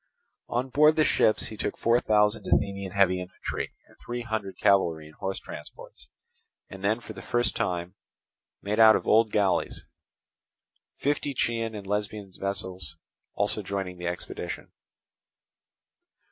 On board the ships he took four thousand Athenian heavy infantry, and three hundred cavalry in horse transports, and then for the first time made out of old galleys; fifty Chian and Lesbian vessels also joining in the expedition.